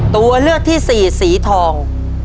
ตัวเลือกที่สี่สีทอง